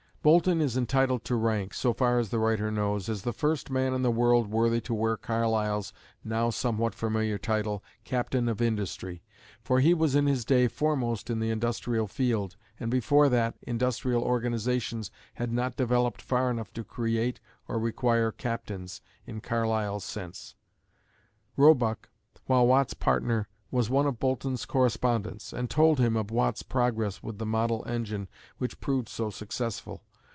Boulton is entitled to rank, so far as the writer knows, as the first man in the world worthy to wear Carlyle's now somewhat familiar title, "Captain of Industry" for he was in his day foremost in the industrial field, and before that, industrial organisations had not developed far enough to create or require captains, in Carlyle's sense. Roebuck, while Watt's partner, was one of Boulton's correspondents, and told him of Watt's progress with the model engine which proved so successful.